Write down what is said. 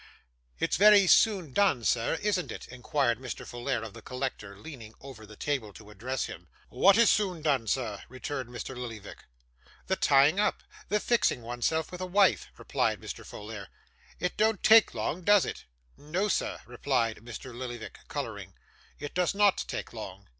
'It's very soon done, sir, isn't it?' inquired Mr. Folair of the collector, leaning over the table to address him. 'What is soon done, sir?' returned Mr. Lillyvick. 'The tying up the fixing oneself with a wife,' replied Mr. Folair. 'It don't take long, does it?' 'No, sir,' replied Mr. Lillyvick, colouring. 'It does not take long.